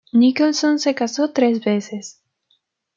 Nicholson se casó tres veces.